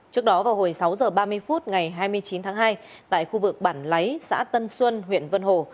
trước đó vào hồi sáu h ba mươi phút ngày hai mươi chín tháng hai tại khu vực bản lấy xã tân xuân huyện vân hồ